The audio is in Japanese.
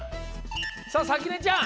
さあさきねちゃん！